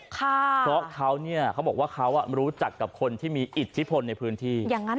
เพราะเขาเนี่ยเขาบอกว่าเขารู้จักกับคนที่มีอิทธิพลในพื้นที่